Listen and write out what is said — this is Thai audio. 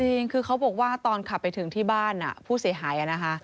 จริงคือเขาบอกว่าตอนขับไปถึงที่บ้านผู้เสียหายนะคะ